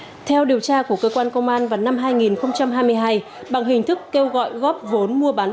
theo điều tra của cơ quan công an vào năm hai nghìn hai mươi hai bằng hình thức kêu gọi góp vốn mua bán